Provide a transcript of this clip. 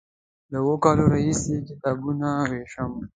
له اوو کلونو راهیسې کتابونه ویشم.